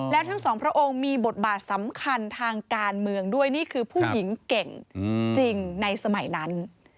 แล้วทั้งสองพระองค์มีบทบาทสำคัญทางการเมืองด้วยนี่คือผู้หญิงเก่งจริงในสมัยนั้น